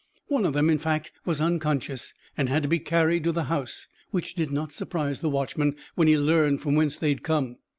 One of them, in fact, was unconscious and had to be carried to the house, which did not surprise the watchman when he learned whence they had come.